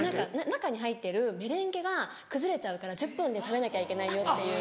中に入ってるメレンゲが崩れちゃうから１０分で食べなきゃいけないよっていう。